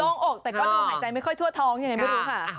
ห้องอกแต่ก็ดูหายใจไม่ค่อยทั่วท้องยังไงไม่รู้ค่ะ